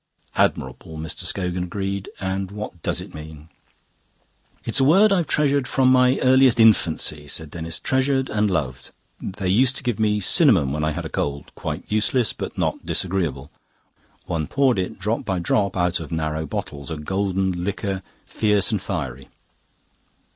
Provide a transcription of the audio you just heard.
"Admirable," Mr. Scogan agreed. "And what does it mean?" "It's a word I've treasured from my earliest infancy," said Denis, "treasured and loved. They used to give me cinnamon when I had a cold quite useless, but not disagreeable. One poured it drop by drop out of narrow bottles, a golden liquor, fierce and fiery.